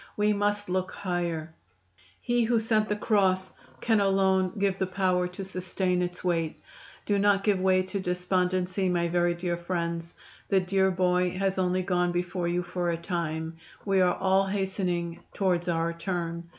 We must look higher. He who sent the cross can alone give the power to sustain its weight. Do not give way to despondency, my very dear friends. The dear boy has only gone before you for a time we are all hastening towards our turn.